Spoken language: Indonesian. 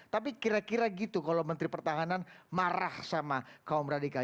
tapi kira kira gitu kalau menteri pertahanan marah sama kaum radikal